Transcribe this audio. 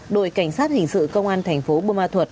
đội cảnh sát hình sự công an thành phố bô ma thuật